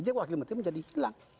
jadi wakil menteri menjadi hilang